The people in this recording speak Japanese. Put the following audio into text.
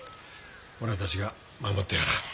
おらたちが守ってやらあ。